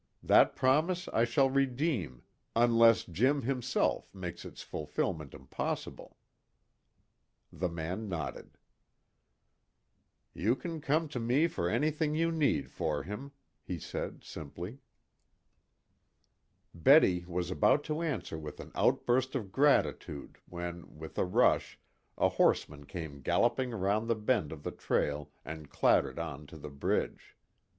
That promise I shall redeem, unless Jim, himself, makes its fulfilment impossible." The man nodded. "You can come to me for anything you need for him," he said simply. Betty was about to answer with an outburst of gratitude when, with a rush, a horseman came galloping round the bend of the trail and clattered on to the bridge.